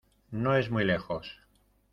No es muy lejos.